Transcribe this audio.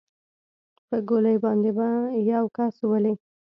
په ګولۍ باندې به يو کس ولې.